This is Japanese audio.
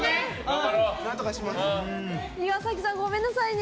岩崎さん、ごめんなさいね。